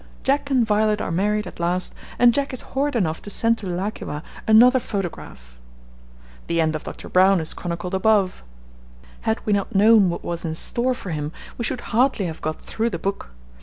Jack and Violet are married at last and Jack is horrid enough to send to 'La ki wa' another photograph. The end of Dr. Brown is chronicled above. Had we not known what was in store for him we should hardly have got through the book.